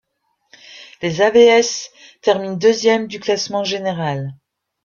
Les Avs terminent deuxièmes du classement général.